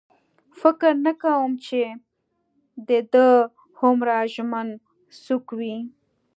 فکر نه کوم چې د ده هومره ژمن څوک و.